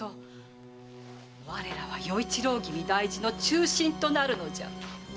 我らは与一郎君大事の忠臣となるのじゃ。